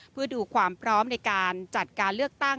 เพื่อดูความพร้อมในการจัดการเลือกตั้ง